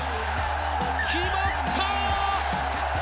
決まった！